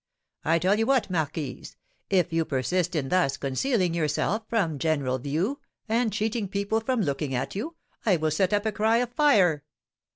I tell you what, marquise, if you persist in thus concealing yourself from general view, and cheating people from looking at you, I will set up a cry of fire!